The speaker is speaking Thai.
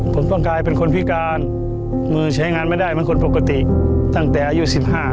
ผมต้องกลายเป็นคนพิการมือใช้งานไม่ได้เหมือนคนปกติตั้งแต่อายุ๑๕